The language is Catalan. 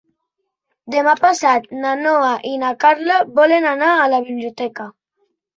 Demà passat na Noa i na Carla volen anar a la biblioteca.